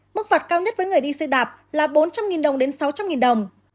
mức phạt cao nhất với người đi xe đạp là bốn trăm linh đồng đến sáu trăm linh đồng